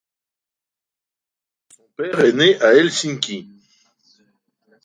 Son père est né à Helsinki.